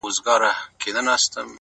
o د وخت پاچا زما اته ي دي غلا كړي ـ